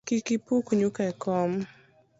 Kik ipuk nyuka e kom